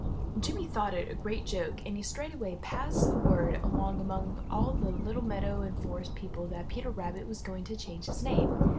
Jimmy thought it a great joke, and he straightway passed the word along among all the little meadow and forest people that Peter Rabbit was going to change his name.